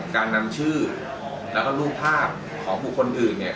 การนำชื่อแล้วก็รูปภาพของบุคคลอื่นเนี่ย